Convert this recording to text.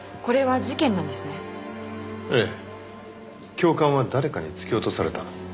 ええ教官は誰かに突き落とされた。